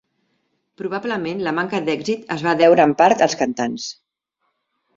Probablement la manca d'èxit es va deure en part als cantants.